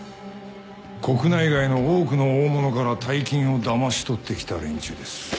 国内外の多くの大物から大金をだましとってきた連中です。